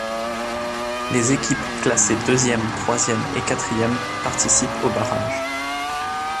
Les équipes classées deuxième, troisième et quatrième participent aux barrages.